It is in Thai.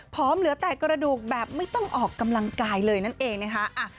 เหลือแต่กระดูกแบบไม่ต้องออกกำลังกายเลยนั่นเองนะคะ